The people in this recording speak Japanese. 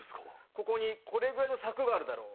ここにこれぐらいの柵があるだろう。